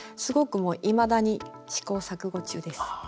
すごくもういまだに試行錯誤中です。